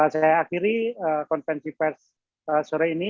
saya akhiri konvensi pers sore ini